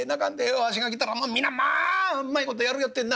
わしが来たらな皆まあうまい事やるよってんな。